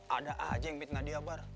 ada aja yang mitnah dia bar